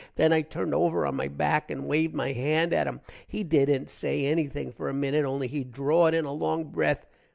then i turned over on my back and waved my hand at him. he dident say anything for a minute, only he drawed in a long breth.